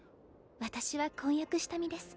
私は婚約した身です